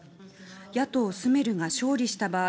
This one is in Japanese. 野党スメルが勝利した場合